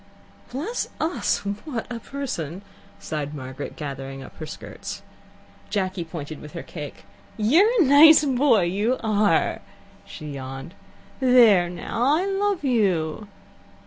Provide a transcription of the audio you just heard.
"Bless us, what a person!" sighed Margaret, gathering up her skirts. Jacky pointed with her cake. "You're a nice boy, you are." She yawned. "There now, I love you."